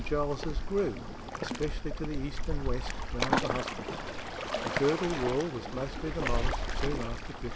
Giles's grew, especially to the east and west, round the hospital. The girdle wall was mostly demolished soon after 1595.